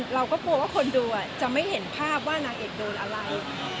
เราก็กลัวว่าคนดูจะไม่เห็นภาพว่านางเอกโดนอะไร